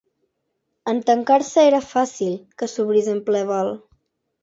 En tancar-se era fàcil que s'obrís en ple vol.